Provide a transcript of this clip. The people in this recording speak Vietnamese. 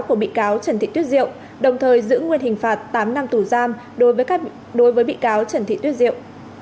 của bị cáo trần thị tuyết diệu đồng thời giữ nguyên hình phạt tám năm tù giam đối với bị cáo trần thị tuyết diệu